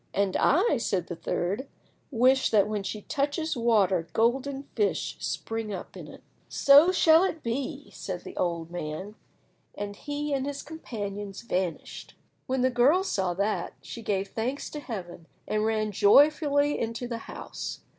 "And I," said the third, "wish that when she touches water golden fish spring up in it." "So shall it be," said the old man, and he and his companions vanished. When the girl saw that, she gave thanks to Heaven, and ran joyfully into the house.